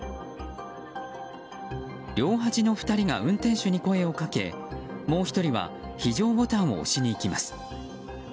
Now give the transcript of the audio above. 両端の２人が運転手に声をかけもう１人は非常ボタンを押しに行きます。